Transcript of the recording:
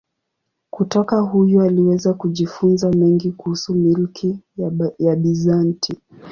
Kutoka huyu aliweza kujifunza mengi kuhusu milki ya Bizanti.